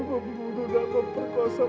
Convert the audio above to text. potong aja tangannya